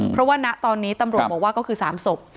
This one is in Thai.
เพราะว่าณตอนนี้ตำรวจบอกว่าก็คือ๓ศพ